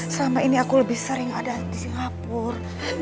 selama ini aku lebih sering ada di singapura